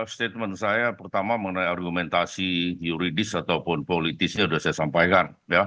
statement saya pertama mengenai argumentasi yuridis ataupun politisnya sudah saya sampaikan